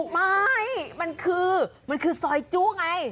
ไม่มันคือมันคือซอยจู้ไง